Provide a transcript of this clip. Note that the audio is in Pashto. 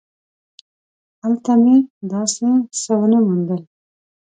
هلته مې هم داسې څه ونه موندل.